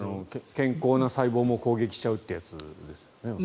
健康な細胞も攻撃しちゃうというやつですね。